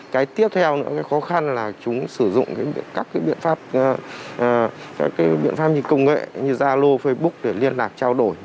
cái tiếp theo nữa cái khó khăn là chúng sử dụng các biện pháp như công nghệ như zalo facebook để liên lạc trao đổi